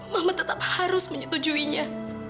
mama tetap harus menyetujuinya